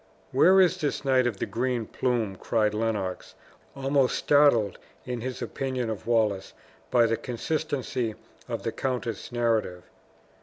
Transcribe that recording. "Where is this Knight of the Green Plume?" cried Lennox, almost startled in his opinion of Wallace by the consistency of the countess' narrative.